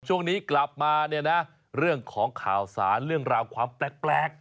ช่วงนี้กลับมาเนี่ยนะเรื่องของข่าวสารเรื่องราวความแปลก